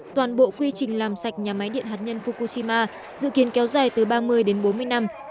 toàn bộ quy trình làm sạch nhà máy điện hạt nhân fukushima dự kiến kéo dài từ ba mươi đến bốn mươi năm